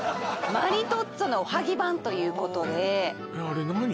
マリトッツォのおはぎ版ということでえっあれ何？